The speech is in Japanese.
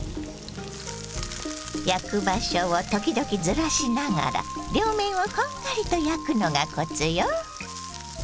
焼く場所を時々ずらしながら両面をこんがりと焼くのがコツよ。